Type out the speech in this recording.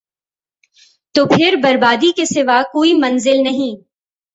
تو پھر بربادی کے سوا کوئی منزل نہیں ۔